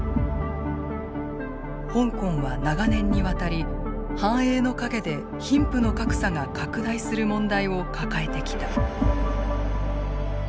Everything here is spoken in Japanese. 香港は長年にわたり繁栄の陰で貧富の格差が拡大する問題を抱えてきた。